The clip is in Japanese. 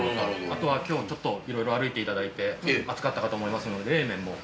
あとはいろいろ歩いていただいて暑かったかと思いますので冷麺。